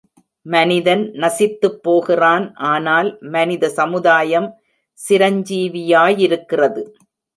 மனிதன் நசித்துப் போகிறான் ஆனால், மனித சமுதாயம் சிரஞ்சீவியா யிருக்கிறது.